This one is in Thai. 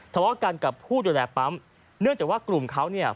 ทะเลาะกันกับผู้ดูแลปั๊มเนื่องจากว่ากลุ่มเขาเนี่ย